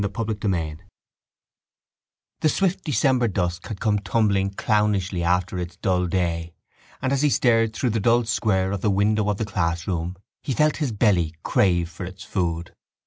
Chapter III The swift December dusk had come tumbling clownishly after its dull day and as he stared through the dull square of the window of the schoolroom he felt his belly crave for its food.